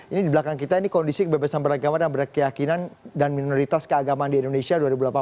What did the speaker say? ini di belakang kita ini kondisi kebebasan beragama dan berkeyakinan dan minoritas keagamaan di indonesia dua ribu delapan belas